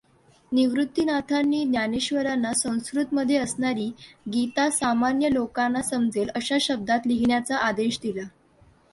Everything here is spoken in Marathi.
निवृत्तिनाथांनी ज्ञानेश्वरांना संस्कृतमध्ये असणारी गीता सामान्य लोकांना उमजेल अशा शब्दांत लिहिण्याचा आदेश दिला.